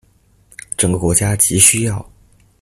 整個國家極需要